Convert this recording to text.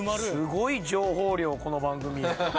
すごい情報量この番組。